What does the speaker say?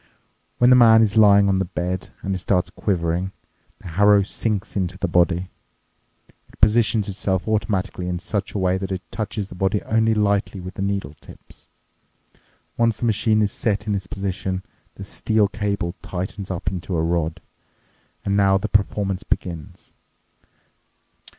When the man is lying on the bed and it starts quivering, the harrow sinks onto the body. It positions itself automatically in such a way that it touches the body only lightly with the needle tips. Once the machine is set in this position, this steel cable tightens up into a rod. And now the performance begins.